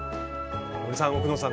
森さん奥野さん